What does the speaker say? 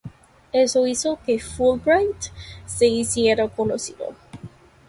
Esto hizo que Fulbright se hiciera conocido.